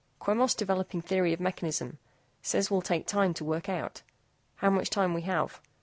QUEMOS DEVELOPING THEORY OF MECHANISM. SAYS WILL TAKE TIME TO WORK OUT. HOW MUCH TIME WE HAVE?